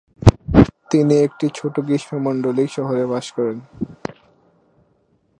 তিনি একটি ছোট গ্রীষ্মমন্ডলীয় শহরে বাস করেন।